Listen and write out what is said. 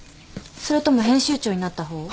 それとも編集長になった方？